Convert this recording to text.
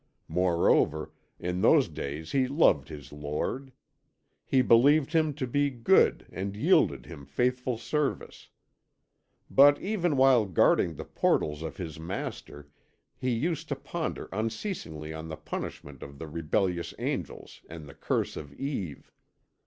Moreover, in those days he loved his lord. He believed him to be good and yielded him faithful service. But even while guarding the portals of his Master, he used to ponder unceasingly on the punishment of the rebellious angels and the curse of Eve.